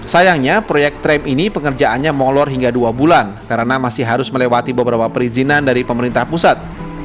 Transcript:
sayangnya proyek tram ini pengerjaannya molor hingga dua bulan karena masih harus melewati beberapa perizinan dari pemerintah pusat